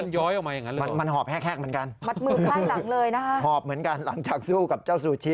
ใช่ฮะมันหอบแฮกเหมือนกันหอบเหมือนกันหลังจากสู้กับเจ้าซูชิ